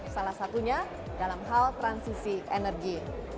salah satunya dalam hal transisi energi